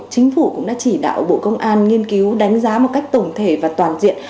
chính phủ cũng đã chỉ đạo bộ công an nghiên cứu đánh giá một cách tổng thể và toàn diện